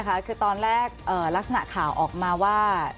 คือตอนแรกลักษณะข่าวออกมาว่า